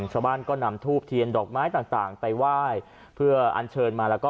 ชาวบ้านก็นำทูบเทียนดอกไม้ต่างต่างไปไหว้เพื่ออัญเชิญมาแล้วก็